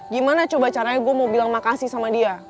gimana coba caranya gue mau bilang makasih sama dia